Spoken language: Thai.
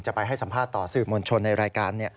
ไปให้สัมภาษณ์ต่อสื่อมวลชนในรายการ